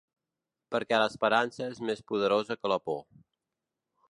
Perquè l’esperança és més poderosa que la por.